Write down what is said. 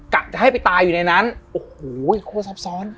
กะจะให้ไปตายอยู่ในนั้นโอ้โหโคตรซับซ้อน